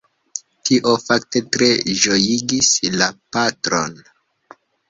Tio fakte tre ĝojigis la patron.